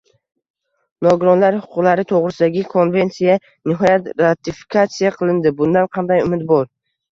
Nogironlar huquqlari to‘g‘risidagi konvensiya nihoyat ratifikatsiya qilindi. Bundan qanday umid bor?